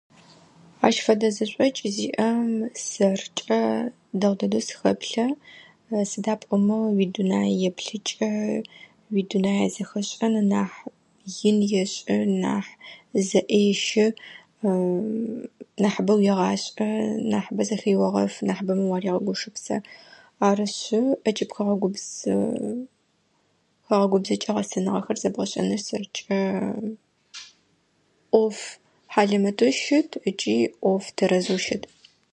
Ащ фэдэ зэшӏокӏ зиӏэм сэркӏэ дэгъу дэдэу сыхэплъэ сыда пӏомэ уидунай еплъыкӏэ уидунае зэхэшӏэн нахь ин ешӏы, нахь зэӏещы, нахьыбэ уегъашӏэ, нахьыбэ зэхеогъэфы, нахьыбэмэ уарегъэгушыпсэ. Арышъы ӏэкӏыб хэгъэгубз хэгъэгубзэкӏэ гъэсэныгъэхэр зэбгъэшӏэныр сэркӏэ ӏоф хьалэмэтэу щыт ыкӏи ӏоф тэрэзэу щыт.